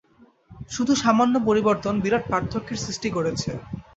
শুধু সামান্য পরিবর্তন বিরাট পার্থক্যের সৃষ্টি করেছে।